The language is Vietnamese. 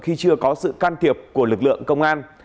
khi chưa có sự can thiệp của lực lượng công an